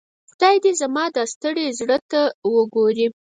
خدای دي زما دا ستړي زړۀ ته وګوري.